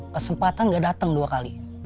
kesempatan gak datang dua kali